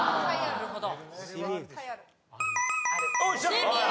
なるほど。